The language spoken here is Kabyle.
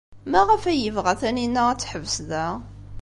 Maɣef ay tebɣa Taninna ad teḥbes da?